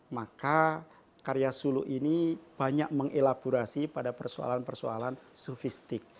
maka karya sulu ini banyak mengelaborasi pada persoalan persoalan sofistik